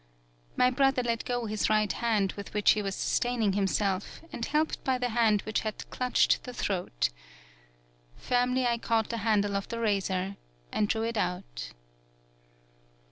My brother let go his right hand with which he was sustaining himself, and helped by the hand which had clutched the throat. Firmly I caught the handle of the razor and drew it out.